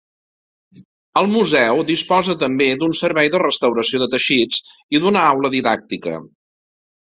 El museu disposa també d'un servei de restauració de teixits i d'una aula didàctica.